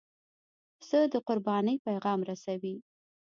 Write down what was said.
پسه د قربانۍ پیغام رسوي.